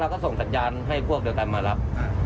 อ๋อเราก็ส่งสัญญาณให้พวกเดี๋ยวแต่มารับ